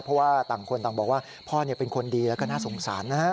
เพราะว่าต่างคนต่างบอกว่าพ่อเป็นคนดีแล้วก็น่าสงสารนะฮะ